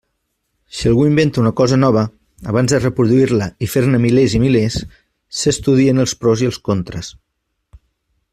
Si algú inventa una cosa nova, abans de reproduir-la i fer-ne milers i milers, s'estudien els pros i els contres.